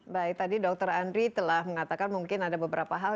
baik tadi dokter andri telah mengatakan mungkin ada beberapa hal